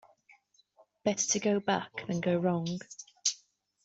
Better to go back than go wrong.